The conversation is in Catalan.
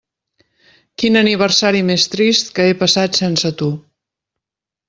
Quin aniversari més trist que he passat sense tu.